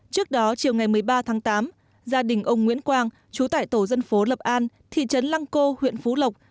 trước đó chiều ngày một mươi ba tháng tám gia đình ông nguyễn quang chú tải tổ dân phố lập an thị trấn lăng cô huyện phú lộc